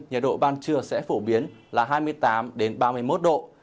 nhiệt độ ban trưa sẽ phổ biến là hai mươi tám ba mươi một độ